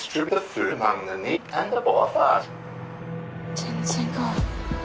全然違う。